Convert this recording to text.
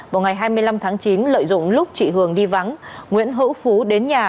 vào ngày hai mươi năm tháng chín lợi dụng lúc chị hường đi vắng nguyễn hữu phú đến nhà